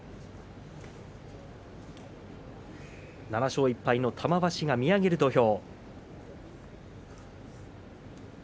７勝１敗の玉鷲が見上げる土俵。